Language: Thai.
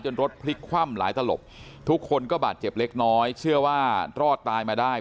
รถพลิกคว่ำหลายตลบทุกคนก็บาดเจ็บเล็กน้อยเชื่อว่ารอดตายมาได้